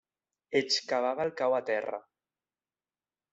Excavava el cau a terra.